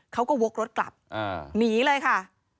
เขาก็วกรถกลับหนีเลยค่ะ